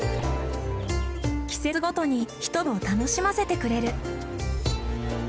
季節ごとに人々を楽しませてくれる。